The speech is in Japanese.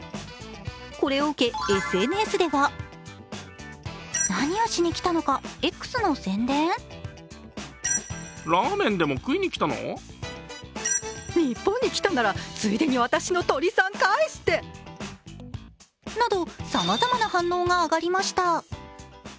これを受けＳＮＳではなど、さまざまな反応が上がりました。